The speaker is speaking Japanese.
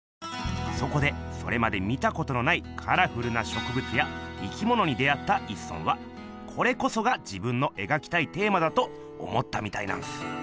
そこでそれまで見たことのないカラフルなしょくぶつや生きものに出会った一村はこれこそが自分のえがきたいテーマだと思ったみたいなんす。